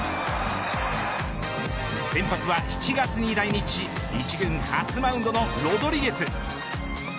先発は７月に来日し一軍初マウンドのロドリゲス。